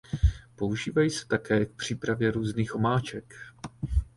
Používají se také k přípravě různých omáček.